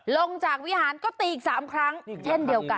ลงจากวิหารก็ตีอีก๓ครั้งเช่นเดียวกัน